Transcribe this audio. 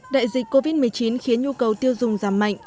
đại dịch covid một mươi chín khiến nhu cầu tiêu dùng giảm mạnh